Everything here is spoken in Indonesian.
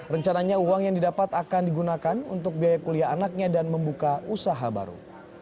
rencananya uang yang didapat akan digunakan untuk biaya kuliah anaknya dan membuka usaha baru